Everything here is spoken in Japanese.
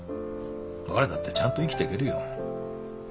別れたってちゃんと生きていけるよ。